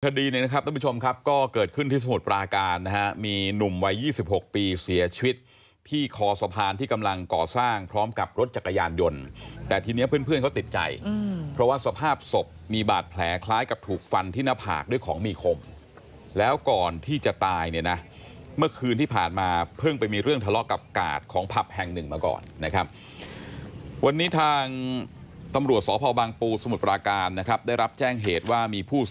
ทดีนะครับท่านผู้ชมครับก็เกิดขึ้นที่สมุทรปราการนะฮะมีหนุ่มวัย๒๖ปีเสียชีวิตที่คอสะพานที่กำลังก่อสร้างพร้อมกับรถจักรยานยนต์แต่ทีนี้เพื่อนเขาติดใจเพราะว่าสภาพศพมีบาดแผลคล้ายกับถูกฟันที่หน้าผากด้วยของมีขมแล้วก่อนที่จะตายเนี่ยนะเมื่อคืนที่ผ่านมาเพิ่งไปมีเรื่องทะเลาะกับกา